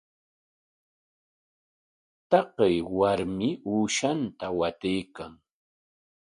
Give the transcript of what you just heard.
Taqay warmi uushan watraykan.